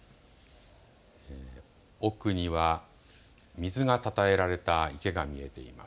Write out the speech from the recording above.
奥には、水がたたえられた池が見えています。